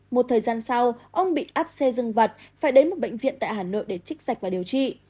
một thời gian sau ông bị áp xe dừng vật phải đến một bệnh viện tại hà nội để trích giạch và điều trị